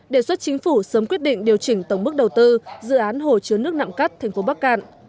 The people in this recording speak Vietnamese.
đề xuất chính phủ sớm quyết định điều chỉnh tổng mức đầu tư dự án hồ chứa nước nặng cắt thành phố bắc cạn